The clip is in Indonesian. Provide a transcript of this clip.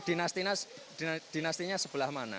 ini dinastinya sebelah mana